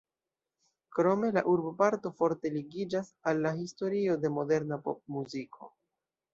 Krome la urboparto forte ligiĝas al la historio de moderna popmuziko.